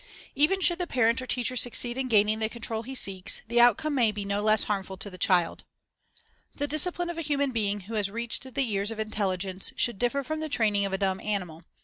Even should the parent or teacher succeed in gaining the control he seeks, the outcome may be no less harmful to the child. The discipline of a human being who has reached the years of intelligence should differ from the training of a dumb animal.